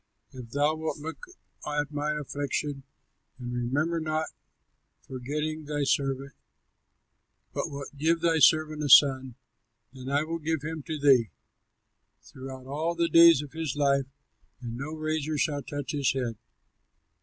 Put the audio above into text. If thou wilt look at my affliction, And remember, not forgetting thy servant, But wilt give thy servant a son, Then I will give him to thee, Throughout all the days of his life; And no razor shall touch his head."